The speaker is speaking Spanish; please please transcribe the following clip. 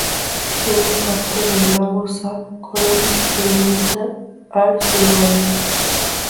Tiene parte del lago Sap con el que limita al sudoeste.